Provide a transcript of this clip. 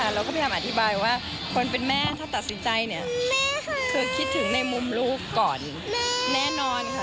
เราก็พยายามอธิบายว่าคนเป็นแม่ถ้าตัดสินใจเนี่ยคือคิดถึงในมุมลูกก่อนแน่นอนค่ะ